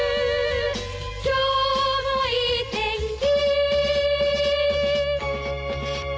「今日もいい天気」